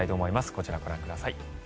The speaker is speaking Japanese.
こちらをご覧ください。